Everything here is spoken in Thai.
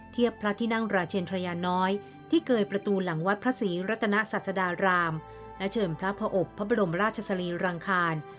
พระที่นั่งราชเชนทรยาน้อยที่เกยประตูหลังวัดพระศรีรัตนศาสดารามและเชิญพระอบพระบรมราชสรีรังคาร